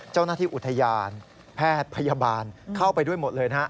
เจ้าหน้าที่อุทยานแพทย์พยาบาลเข้าไปด้วยหมดเลยนะฮะ